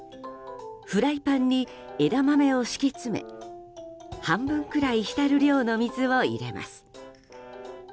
フライパンに枝豆を敷き詰め半分くらい浸る量の水を入れます。